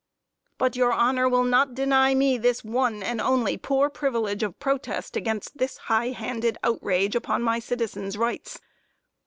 MISS ANTHONY But your honor will not deny me this one and only poor privilege of protest against this high handed outrage upon my citizen's rights.